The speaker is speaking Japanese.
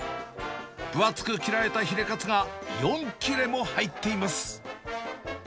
分厚く切られたヒレカツが４切れも入っています。